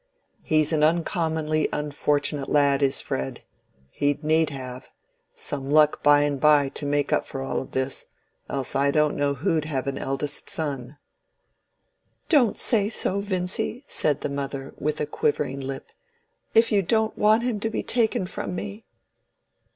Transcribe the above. "He's an uncommonly unfortunate lad, is Fred. He'd need have some luck by and by to make up for all this—else I don't know who'd have an eldest son." "Don't say so, Vincy," said the mother, with a quivering lip, "if you don't want him to be taken from me."